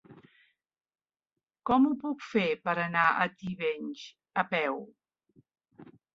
Com ho puc fer per anar a Tivenys a peu?